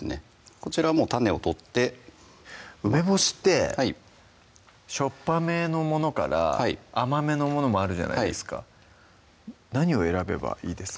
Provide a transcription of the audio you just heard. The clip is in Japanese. こちら種を取って梅干しってはい塩っぱめのものから甘めのものもあるじゃないですか何を選べばいいですか？